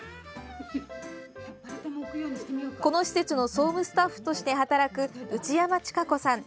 この施設の総務スタッフとして働く内山智香子さん。